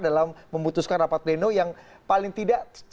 dalam memutuskan rapat pleno yang paling tidak